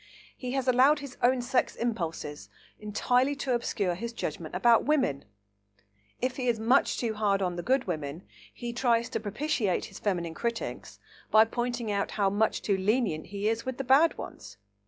He has allowed his own sex impulses entirely to obscure his judgment about women. If he is much too hard on the good women, he tries to propitiate his feminine critics by pointing out how much too lenient he is with the bad ones.